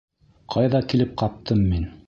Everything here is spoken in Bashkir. Ҡайҙа килеп ҡаптым мин?!